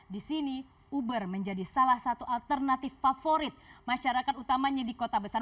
di sini uber menjadi salah satu alternatif favorit masyarakat utamanya di kota besar